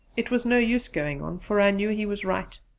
It was no use going on, for I knew he was right.